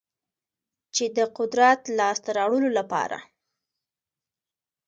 چې د قدرت لاسته راوړلو لپاره